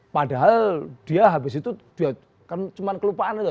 padahal dia habis itu kan cuma kelupaan